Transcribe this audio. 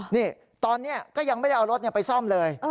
นี่ตอนนี้ก็ยังไม่ได้เอารถไปซ่อมเลย